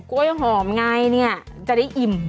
กล้วยหอมไงเนี่ยจะได้อิ่ม